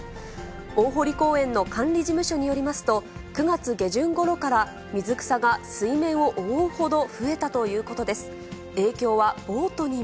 大濠公園の管理事務所によりますと、９月下旬ごろから水草が水面を覆うほど増えたということです。